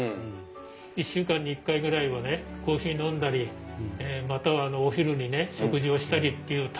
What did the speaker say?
１週間に１回ぐらいはねコーヒー飲んだりまたはお昼に食事をしたりっていう楽しみができましたよね。